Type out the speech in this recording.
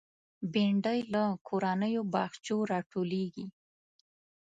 بېنډۍ له کورنیو باغچو راټولېږي